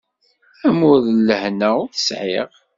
Amur n lehna ur t-sεiɣ.